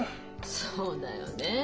そうだよねえ。